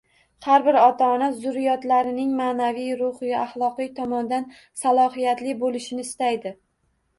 Har bir ota-ona zurriyotlarining ma’naviy-ruhiy-axloqiy tomondan salohiyatli bo'lishini istaydi.